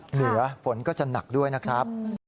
เหนือฝนก็จะหนักด้วยนะครับ